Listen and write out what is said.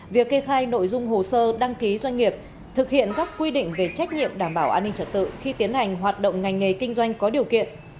việc kê khai nội dung hồ sơ đăng ký doanh nghiệp thực hiện các quy định về trách nhiệm đảm bảo an ninh trật tự khi tiến hành hoạt động ngành nghề kinh doanh có điều kiện